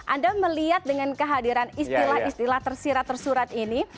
anda melihat dengan kehadiran istilah istilah tersirat tersurat ini